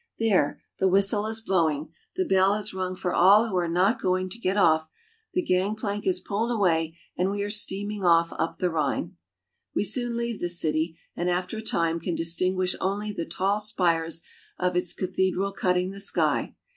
There, the whistle is blowing, the bell has rung for all who are not going to get off, the gang plank is pulled away, and we are steaming off up the Rhine ! We soon leave the city, and after a time can distinguish only the tall spires of its cathedral cutting the sky.